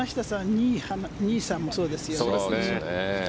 仁井さんもそうですよね。